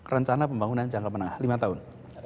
rencana pembangunan jangka menengah lima tahun